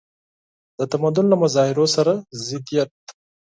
د تمدن له مظاهرو سره ضدیت.